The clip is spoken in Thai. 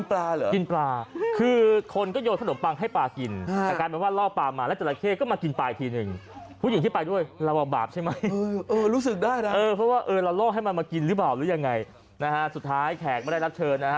ปลาปลาน้ำปังน้ำปังน้ำปังน้ำปังน้ำปังน้ำปังน้ำปังน้ำปังน้ำปังน้ำปังน้ำปังน้ำปัง